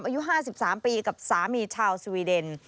อายุ๕๓ปีกับสามีชาวสวีเดน